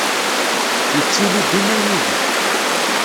Yettili dima yid-i.